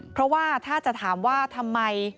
เพราะว่าถ้าจะถามว่าทำไม